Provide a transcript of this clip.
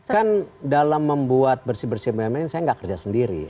kan dalam membuat bersih bersih bumn saya nggak kerja sendiri